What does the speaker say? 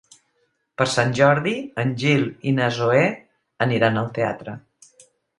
Per Sant Jordi en Gil i na Zoè aniran al teatre.